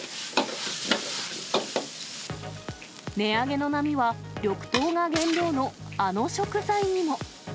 値上げの波は、緑豆が原料のあの食材にも。